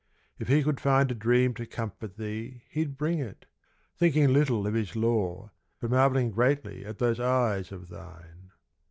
If he could find a dream to comfort thee, He'd bring it: thinking little of his lore, But marvelling greatly at those eyes of thine.